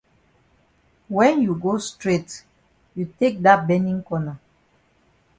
When you go straight you take dat benin corner.